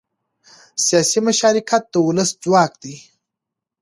سیاسي مشارکت د ولس ځواک دی